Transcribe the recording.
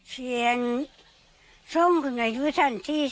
เซียงทรงคุณอายุสั้นที่สั้นหาก่อนเนี่ย